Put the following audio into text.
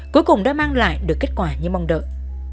cuối cùng đã mang lại được kết quả như mong đợi